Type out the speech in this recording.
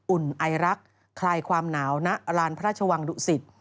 อุ่นไอรักษ์คลายความหนาวณลานพระราชวังดุสิต